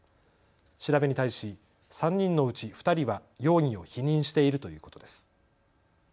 調べに対し３人のうち２人は容疑を否認しているということです。